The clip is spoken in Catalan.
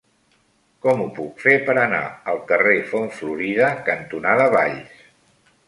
Com ho puc fer per anar al carrer Font Florida cantonada Valls?